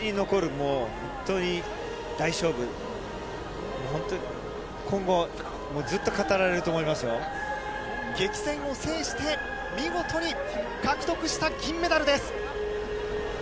もう本当、今後、ずっと語られる激戦を制して、見事に獲得した銀メダルです。